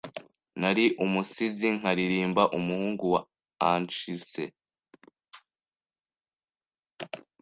Nari umusizi nkaririmba umuhungu wa Anchise